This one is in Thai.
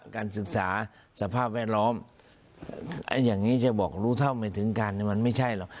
การศึกษาสภาพแวดล้อมอย่างนี้จะบอกรู้เท่าไม่ถึงกันมันไม่ใช่หรอก